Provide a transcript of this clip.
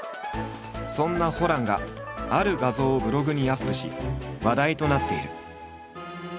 そんなホランがある画像をブログにアップし話題となっている。